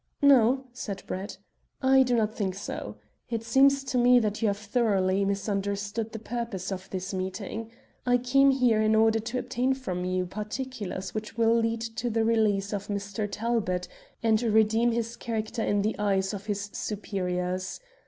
"No," said Brett, "I do not think so; it seems to me that you have thoroughly misunderstood the purpose of this meeting. I came here in order to obtain from you particulars which will lead to the release of Mr. Talbot and redeem his character in the eyes of his superiors.